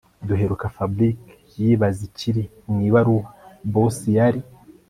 Duheruka Fabric yibaza icyiri mwibaruwa boss yari